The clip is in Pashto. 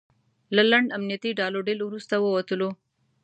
له لنډ امنیتي ډال او ډیل وروسته ووتلو.